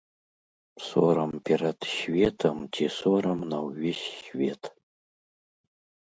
Сорам перад светам ці сорам на ўвесь свет!